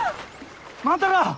万太郎！？